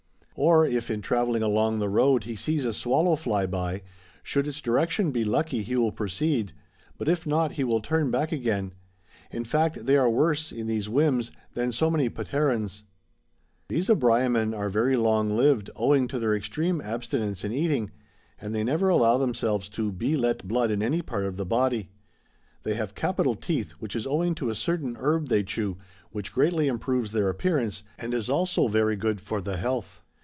Or, if in travelling along the road he sees a swallow fly by, should its direction be lucky he will proceed, but if not he will turn back again ; in fact they are worse (in these whims) than so many Patarins \^ These Abraiaman are very long lived, owing to their extreme abstinence in eating. And they never allow them selves to be let blood in any part of the body. They have capital teeth, which is owing to a certain herb they chew, which greatly improves their appearance, and is also very good for the health.